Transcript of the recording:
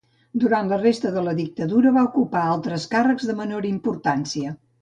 Durant la resta de la dictadura va ocupar altres càrrecs de menor importància.